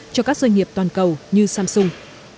cho các doanh nghiệp toàn cầu như samsung